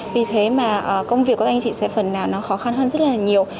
vì thế mà công việc các anh chị sẽ phần nào nó khó khăn hơn rất là nhiều